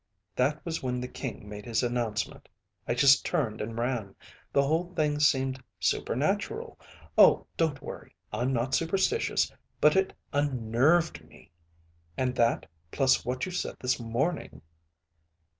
That was when the King made his announcement. I just turned and ran. The whole thing seemed supernatural. Oh, don't worry, I'm not superstitious, but it unnerved me. And that plus what you said this morning."